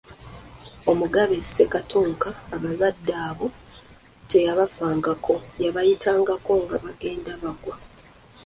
Omugabe Ssenkaatuuka, abalwadde abo teyabafaangako, yabayitangako nga bagenda bagwa.